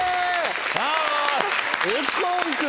よし！